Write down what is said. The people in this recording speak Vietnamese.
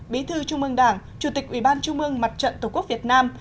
bí thư trung ương đảng chủ tịch ủy ban trung mương mặt trận tổ quốc việt nam